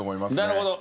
なるほど。